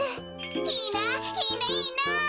いいないいないいな。